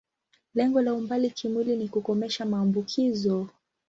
Lengo la umbali kimwili ni kukomesha maambukizo.